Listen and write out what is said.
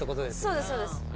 そうですそうです。